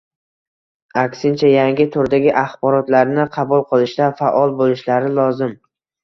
aksincha yangi turdagi axborotlarni qabul qilishda faol boʻlishlari lozim.